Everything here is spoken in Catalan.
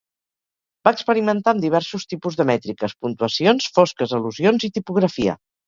Va experimentar amb diversos tipus de mètriques, puntuacions, fosques al·lusions i tipografia.